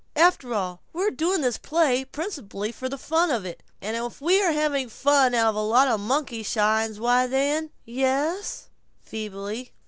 After all, we're doing this play principally for the fun of it, and if we have fun out of a lot of monkey shines, why then " "Ye es," feebly.